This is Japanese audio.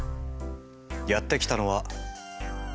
やって来たのは。